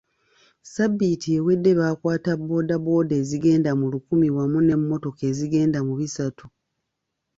Ssabbiiti ewedde baakwata bbooda bbooda ezigenda mu lukumi wamu n'emmotoka ezigenda mu bisatu.